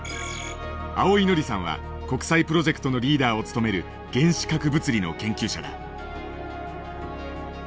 青井考さんは国際プロジェクトのリーダーを務める原子核物理の研究者だ。